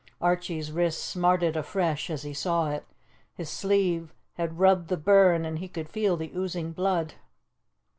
Archie's wrist smarted afresh as he saw it; his sleeve had rubbed the burn, and he could feel the oozing blood.